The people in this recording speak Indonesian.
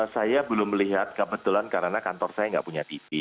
saya belum melihat kebetulan karena kantor saya nggak punya tv